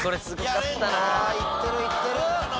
いってるいってる。